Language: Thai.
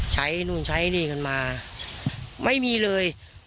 ใช้นู่นใช้นี่กันมาไม่มีเลย